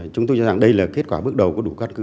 chúng tôi cho rằng đây là kết quả bước đầu có đủ căn cứ